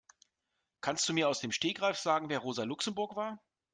Kannst du mir aus dem Stegreif sagen, wer Rosa Luxemburg war?